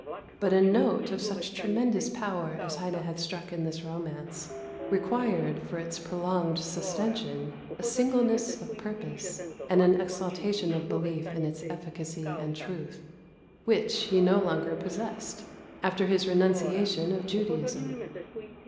But a note of such tremendous power as Heine had struck in this romance, required for its prolonged sustention a singleness of purpose and an exaltation of belief in its efficacy and truth, which he no longer possessed after his renunciation of Judaism.